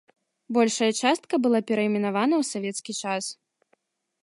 Большая частка была перайменавана ў савецкі час.